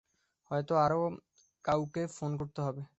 হয়ত আরও কাউকে ফোন করতে হবে।